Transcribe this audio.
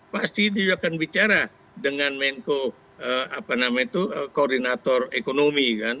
pasti dia akan bicara dengan koordinator ekonomi kan